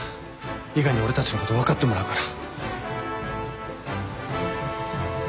伊賀に俺たちのこと分かってもらうから。